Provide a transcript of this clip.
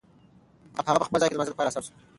هغه په خپل ځای کې د لمانځه لپاره را سم شو.